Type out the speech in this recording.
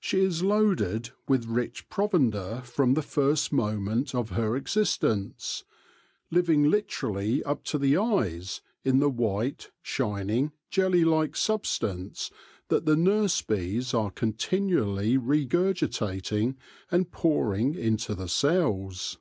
She is loaded with rich provender from the first moment of her existence, living literally up to the eyes in the white, shining, jelly like substance that the nurse bees are continually regurgitating and pour ing into the cells.